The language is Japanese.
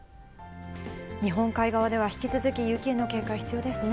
日本海側では引き続き雪への警戒、必要ですね。